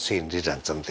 cindy jangan cindy